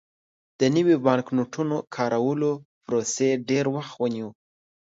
د نویو بانکنوټونو کارولو پروسې ډېر وخت ونیو.